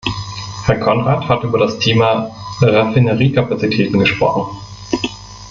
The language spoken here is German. Herr Konrad hat über das Thema Raffineriekapazitäten gesprochen.